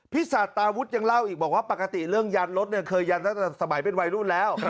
สาตาวุฒิยังเล่าอีกบอกว่าปกติเรื่องยันรถเคยยันตั้งแต่สมัยเป็นวัยรุ่นแล้ว